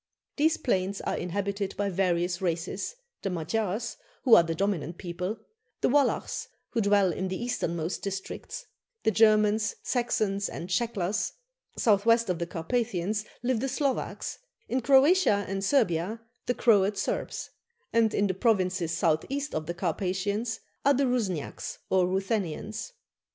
These plains are inhabited by various races the Magyars, who are the dominant people; the Wallachs, who dwell in the easternmost districts; the Germans, Saxons, and Shecklers. South west of the Carpathians live the Slovaks; in Croatia and Servia the Croat Serbs; and in the provinces south east of the Carpathians are the Rusniaks or Ruthenians.